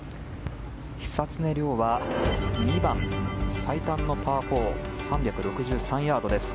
久常涼は２番、最短のパー４３６３ヤードです。